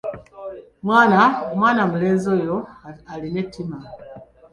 Mwana mulenzi oyo alina ettima.